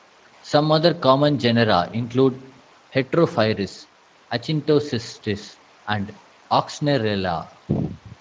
Some other common genera include "Heterophrys", "Actinocystis", and "Oxnerella".